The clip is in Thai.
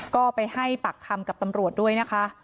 ก็ไปให้ปากคำกับตำรวจด้วยนะคะ